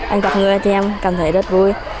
anh gặp người thì em cảm thấy rất vui